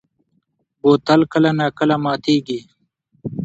بوتل کله نا کله ماتېږي.